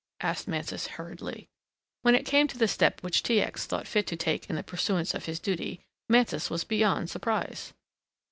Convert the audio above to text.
asked Mansus hurriedly. When it came to the step which T. X. thought fit to take in the pursuance of his duty, Mansus was beyond surprise.